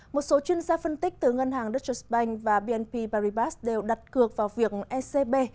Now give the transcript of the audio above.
một số chuyên gia phân tích từ ngân hàng deuters bank và bnp parisbas đều đặt cược vào việc ecb